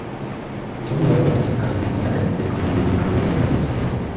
Según diversas estadísticas, Argentina es el país con el mayor número de inmigrantes chilenos.